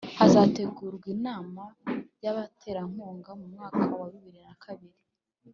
hazategurwa inama y'abaterankunga mu mwaka wa bibiri na kabiri